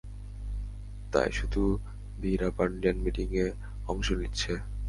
তাই শুধু ভীরাপান্ডিয়ান মিটিংয়ে অংশ নিচ্ছে।